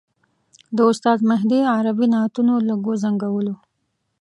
د استاد مهدي عربي نعتونو لږ وځنګولو.